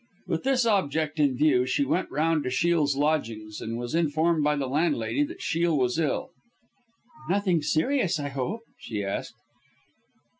With this object in view she went round to Shiel's lodgings, and was informed by the landlady that Shiel was ill. "Nothing serious I hope?" she asked.